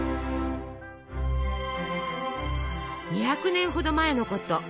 ２００年ほど前のこと。